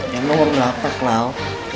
yang nomor berapa klau